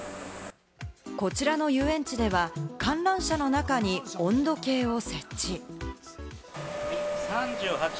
こちらの遊園地では観覧車の中に温度計を設置。